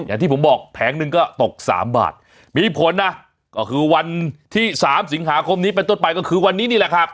อย่างที่ผมบอกแผงหนึ่งก็ตก๓บาทมีผลนะก็คือวันที่๓สิงหาคมนี้เป็นต้นไปก็คือวันนี้นี่แหละครับ